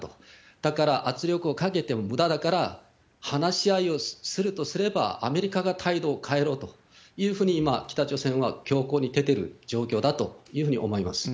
だから、圧力をかけてもむだだから、話し合いをするとすれば、アメリカが態度を変えろというふうに、今、北朝鮮は強行に出てる状況だというふうに思います。